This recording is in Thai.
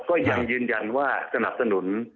ก็ยังยืนยันว่าสนับสนุน